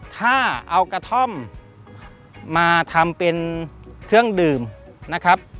ถ้าเอากระท่อมมาทำเป็นเครื่องดื่มนะครับ